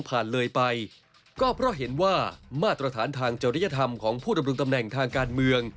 เลยไปก็เพราะเห็นว่ามาตรฐานทางจริยธรรมของผู้ดำรงตำแหน่งทางการเมือง